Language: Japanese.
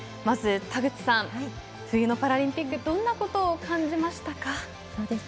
まず田口さん冬のパラリンピックどんなことを感じましたか。